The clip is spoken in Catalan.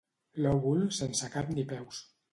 Lòbul sense cap ni peus.